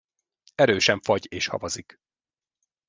Erősen fagy és havazik.